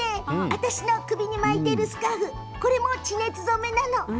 私の首に巻いているスカーフも地熱染めなの。